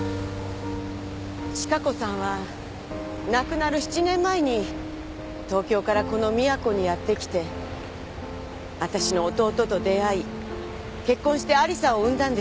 千加子さんは亡くなる７年前に東京からこの宮古にやってきて私の弟と出会い結婚して亜理紗を産んだんです。